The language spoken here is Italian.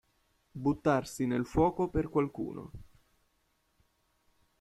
Buttarsi nel fuoco per qualcuno.